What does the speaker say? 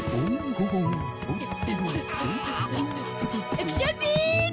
アクションビーム！